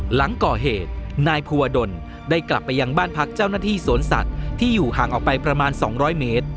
หลังก่อเหตุนายภูวดลได้กลับไปยังบ้านพักเจ้าหน้าที่สวนสัตว์ที่อยู่ห่างออกไปประมาณ๒๐๐เมตร